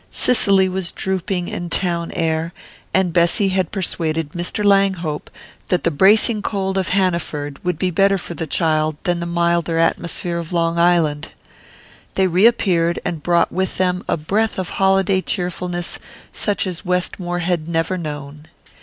Cicely was drooping in town air, and Bessy had persuaded Mr. Langhope that the bracing cold of Hanaford would be better for the child than the milder atmosphere of Long Island. They reappeared, and brought with them a breath of holiday cheerfulness such as Westmore had never known.